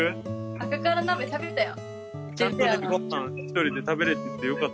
赤から鍋食べたよ